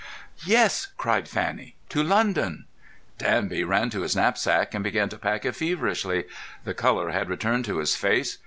"Yes," cried Fanny, "to London!" Danby ran to his knapsack and began to pack it feverishly. The colour had returned to his face.